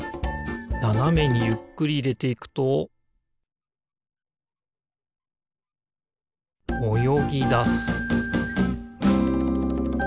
ななめにゆっくりいれていくとおよぎだす